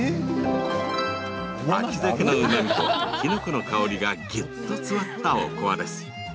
秋ざけのうまみときのこの香りがぎゅっと詰まったおこわです。